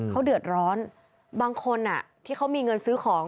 เขาเดือดร้อนบางคนที่เขามีเงินซื้อของ